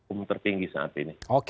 umum tertinggi saat ini